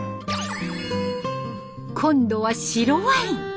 今度は白ワイン。